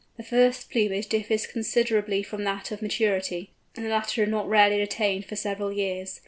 The first plumage differs considerably from that of maturity, and the latter is not rarely attained for several years.